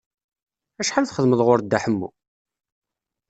Acḥal txedmeḍ ɣur Dda Ḥemmu?